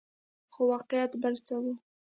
خو واقعیت بل څه وو.